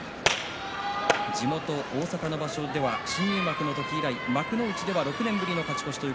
地元大阪の場所では新入幕の時以来幕内では６年ぶりの勝ち越しです。